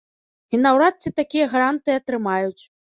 І наўрад ці такія гарантыі атрымаюць.